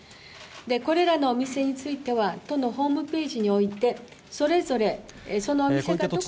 これらのお店については、都のホームページにおいて、それぞれそのお店がどこか。